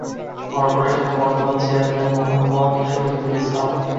কর্পোরেশনের বর্তমান চেয়ারম্যান মোহাম্মদ শহিদুল ইসলাম।